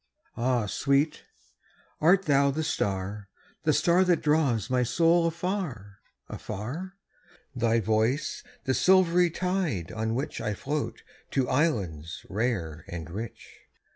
Ah, sweet, art thou the star, the starThat draws my soul afar, afar? Thy voice the silvery tide on whichI float to islands rare and rich?